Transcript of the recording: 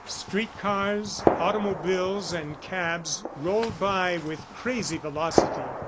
Street cars, automobiles and cabs rolled by with crazy velocity.